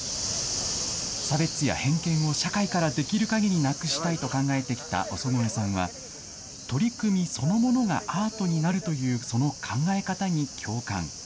差別や偏見を社会からできるかぎりなくしたいと考えてきた尾曽越さんは、取り組みそのものがアートになるというその考え方に共感。